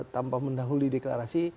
tanpa mendahului deklarasi